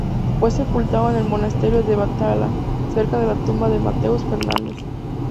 Fue sepultado en el Monasterio de Batalha, cerca de la tumba de Mateus Fernandes.